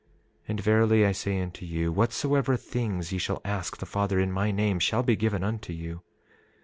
And verily I say unto you, whatsoever things ye shall ask the Father in my name shall be given unto you.